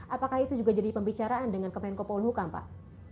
apakah itu juga jadi pembicaraan dengan kemenko pohon huka pak